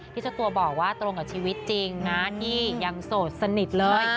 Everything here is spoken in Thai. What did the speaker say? เจ้าตัวบอกว่าตรงกับชีวิตจริงนะที่ยังโสดสนิทเลย